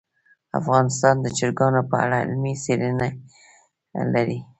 افغانستان د چرګانو په اړه علمي څېړنې لري.